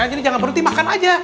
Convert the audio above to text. jadi jangan berhenti makan aja